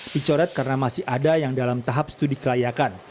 dicoret karena masih ada yang dalam tahap studi kelayakan